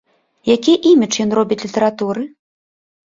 Які імідж ён робіць літаратуры?